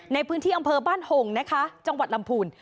ในพื้นที่อำเภอบ้านหงนะคะจังหวัดลำพูน